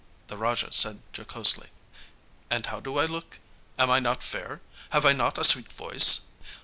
The Raja said jocosely: 'And how do I look? Am I not fair? Have I not a sweet voice?'